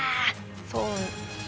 そう。